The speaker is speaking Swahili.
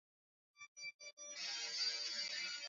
Kuchanika kwa manyoya